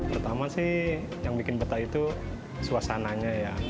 pertama sih yang bikin betah itu suasananya ya